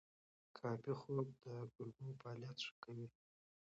کافي خوب د کولمو فعالیت ښه کوي.